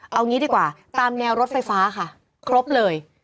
เอางี้ดีกว่าตามแนวรถไฟฟ้าค่ะครบเลย